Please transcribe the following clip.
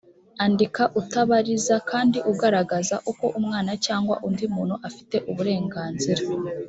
andika utabariza kandi ugaragaza uko umwana cyangwa undi muntu afite uburenganzira.